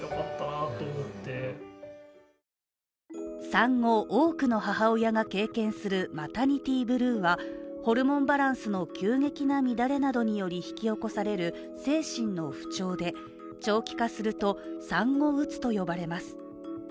産後、多くの母親が経験するマタニティーブルーはホルモンバランスの急激な乱れなどにより引き起こされる精神の不調で長期化すると産後うつと呼ばれます。